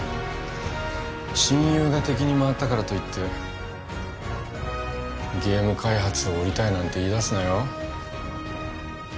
親友が敵に回ったからといってゲーム開発を降りたいなんて言いだすなよ